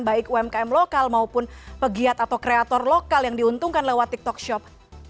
baik umkm lokal maupun pegiat atau kreator lokal yang diuntungkan lewat tiktok shop